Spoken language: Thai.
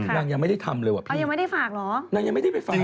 นางยังไม่ได้ทำเลยว่ะพี่